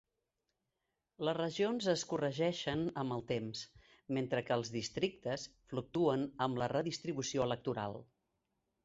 Les regions es corregeixen amb el temps, mentre que els districtes fluctuen amb la redistribució electoral.